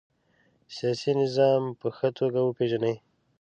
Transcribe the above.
سیاسي نظام په ښه توګه وپيژنئ.